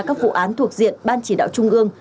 các vụ án thuộc diện ban chỉ đạo trung ương